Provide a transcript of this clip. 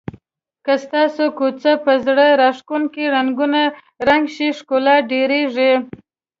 که ستاسو کوڅه په زړه راښکونکو رنګونو رنګ شي ښکلا ډېریږي.